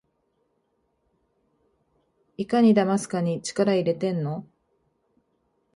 いかにだますかに力いれてんの？